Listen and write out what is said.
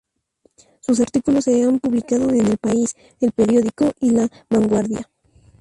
Sus artículos se han publicado en "El País", "El Periódico" y "La Vanguardia".